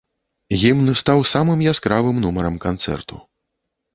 Гімн стаў самым яскравым нумарам канцэрту.